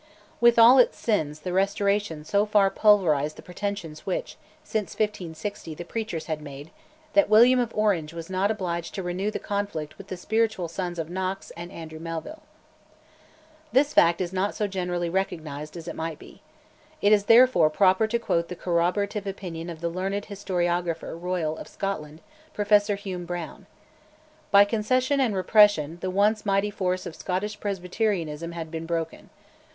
With all its sins, the Restoration so far pulverised the pretensions which, since 1560, the preachers had made, that William of Orange was not obliged to renew the conflict with the spiritual sons of Knox and Andrew Melville. This fact is not so generally recognised as it might be. It is therefore proper to quote the corroborative opinion of the learned Historiographer Royal of Scotland, Professor Hume Brown. "By concession and repression the once mighty force of Scottish Presbyterianism had been broken.